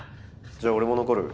じゃあ俺も残る。